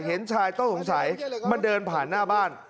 เห็นชายต้องสงสัยมันเดินผ่านหน้าบ้าน